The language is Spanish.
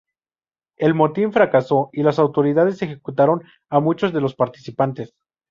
El motín fracasó, y las autoridades ejecutaron a muchos de los participantes.